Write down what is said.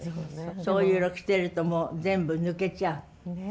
そういう色着てるともう全部抜けちゃう。